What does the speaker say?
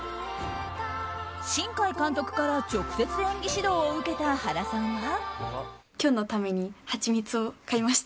新海監督から直接演技指導を受けた原さんは。